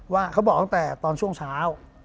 ว่าเขาบอกตั้งแต่ตอนช่วงเช้า